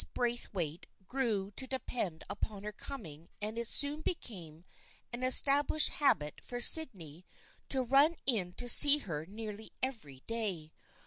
Braithwaite grew to depend upon her coming and it soon became an established habit for Sydney to run in to see her nearly every day.